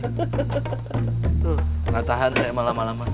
tuh matahan saya malam malaman